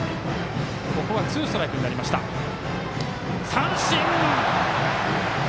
三振。